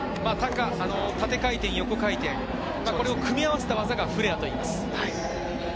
縦回転、横回転、これを組み合わせた技がフレアです。